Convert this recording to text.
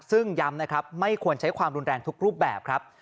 ซึ่งย้ำนะครับไม่ควรใช้ความรุนแรงทุกรูปแบบครับ